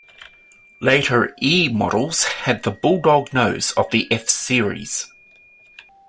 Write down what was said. Later E models had the "bulldog nose" of the F series.